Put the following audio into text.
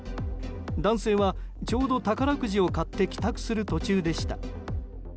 男性はちょうど宝くじを買って帰宅する途中でした。